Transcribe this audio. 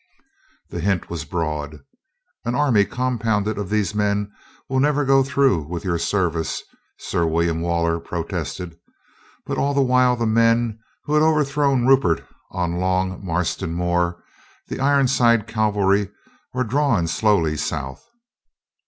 The hint was broad. "An army compounded of these men will never go through with your service," Sir William Waller protested. But all the while the men who had overthrown Rupert on Long Marston Moor, the Ironside cavalry, were drawing slowly south.